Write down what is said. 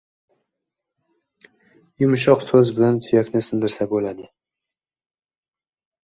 • Yumshoq so‘z bilan suyakni sindirsa bo‘ladi.